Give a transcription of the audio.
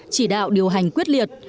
chỉ đạo điều hành quyết liệt